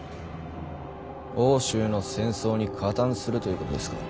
欧州の戦争に加担するということですか。